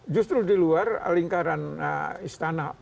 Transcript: justru di luar lingkaran istana